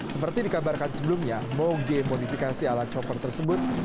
seperti dikabarkan sebelumnya moge modifikasi ala copper tersebut